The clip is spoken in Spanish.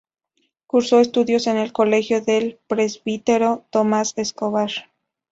Cursó estudios en el colegio del presbítero Tomás Escobar.